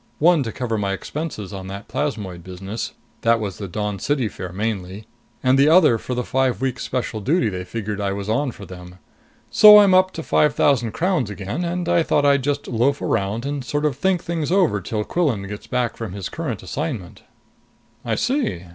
One to cover my expenses on that plasmoid business that was the Dawn City fare mainly and the other for the five weeks special duty they figured I was on for them. So I'm up to five thousand crowns again, and I thought I'd just loaf around and sort of think things over till Quillan gets back from his current assignment." "I see.